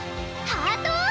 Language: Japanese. ハートを！